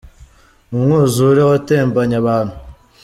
Umwuzure watembanye abantu.